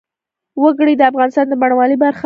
وګړي د افغانستان د بڼوالۍ برخه ده.